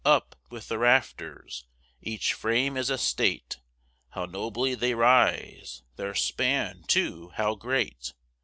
up! with the rafters; each frame is a state: How nobly they rise! their span, too, how great!